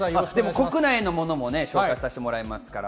国内のものも紹介させてもらいます。